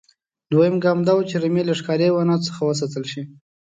دویم ګام دا و چې رمې له ښکاري حیواناتو څخه وساتل شي.